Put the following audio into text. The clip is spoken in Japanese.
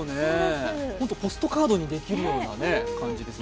ポストカードにできるような感じですね。